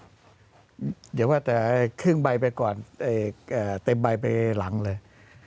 เดี๋ยวว่าแต่ครึ่งใบไปก่อนเต็มใบไปหลังเลย